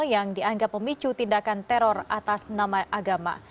yang dianggap memicu tindakan teror atas nama agama